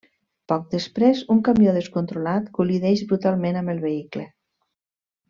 Poc després un camió descontrolat col·lideix brutalment amb el vehicle.